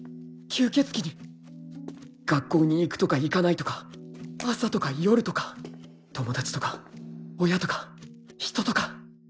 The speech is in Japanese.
学校に行くとか行かないとか朝とか夜とか友達とか親とか人とか